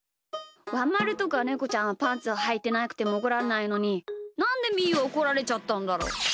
ワンまるとかネコちゃんはパンツをはいてなくてもおこられないのになんでみーはおこられちゃったんだろう？